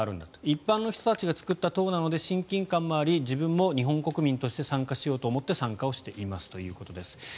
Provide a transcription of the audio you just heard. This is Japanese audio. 一般の人たちが作った党なので親近感があり自分も日本国民として参加しようと思って参加していますということです。